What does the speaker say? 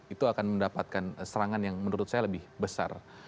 itu akan mendapatkan serangan yang menurut saya lebih besar